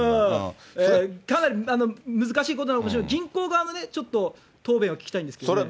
かなり難しいことなのか、銀行側のちょっと答弁を聞きたいんですけれども。